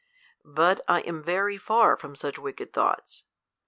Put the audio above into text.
But 1 am very far from such wicked thoughts.